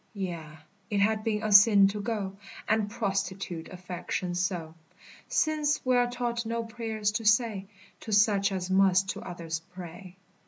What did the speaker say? Yea, it had been a sin to go And prostitute affection so, Since we are taught no prayers to say To such as must to others pray.